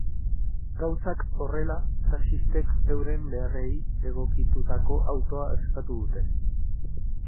Gauzak horrela, taxistek euren beharrei egokitutako autoa eskatu dute.